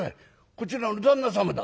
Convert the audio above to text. こちらの旦那様だ」。